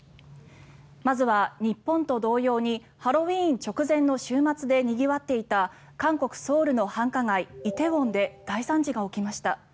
まずは日本と同様にハロウィーン直前の週末でにぎわっていた韓国ソウルの繁華街、梨泰院で大惨事が起きました。